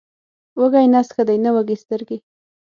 وږی نس ښه دی، نه وږې سترګې.